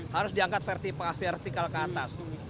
harus diangkat vertikal ke atas